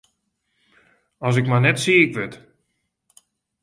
As ik mar net siik wurd!